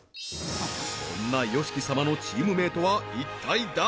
そんなＹＯＳＨＩＫＩ様のチームメイトはいったい誰？